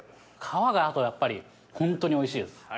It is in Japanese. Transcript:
皮があとやっぱりホントにおいしいです。